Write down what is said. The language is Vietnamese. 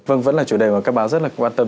vâng vẫn là chủ đề mà các báo rất là quan tâm